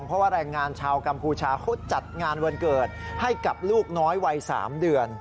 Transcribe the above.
เพราะว่าแรงงานชาวกัมพูชาเขาจัดงานวันเกิดให้กับลูกน้อยวัย๓เดือน